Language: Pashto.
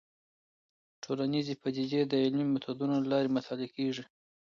ټولنيزې پديدې د علمي ميتودونو له لارې مطالعه کيږي.